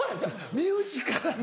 身内からな。